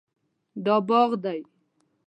دا باغ دی